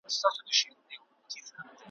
ړانده فال بین مي په تندي کي لمر کتلی نه دی `